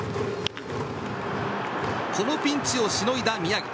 このピンチをしのいだ宮城。